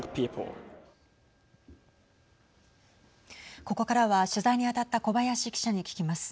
ここからは取材に当たった小林記者に聞きます。